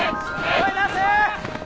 声出せ！